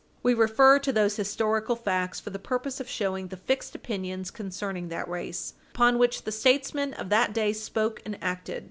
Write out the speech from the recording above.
We refer to these historical facts for the purpose of showing the fixed opinions concerning that race upon which the statesmen of that day spoke and acted.